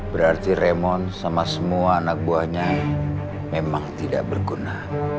berarti remon sama semua anak buahnya memang tidak berguna